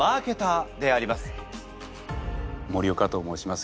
森岡と申します。